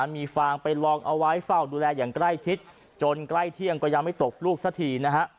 มีฟางไปลองเอาไว้เฝ้าดูแลอย่างใกล้ชิดจนใกล้เที่ยงก็ยังไม่ตกลูกสักทีนะฮะ